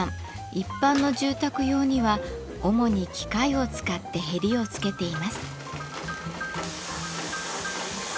一般の住宅用には主に機械を使ってへりを付けています。